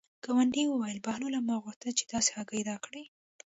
ګاونډي یې وویل: بهلوله ما غوښتل چې داسې هګۍ راکړې.